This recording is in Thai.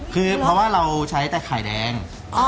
คือเพราะว่าเราใช้แต่ไข่แดง